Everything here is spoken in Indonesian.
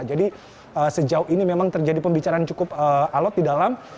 jadi sejauh ini memang terjadi pembicaraan cukup alut di dalam